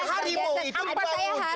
teng harimau itu dibangun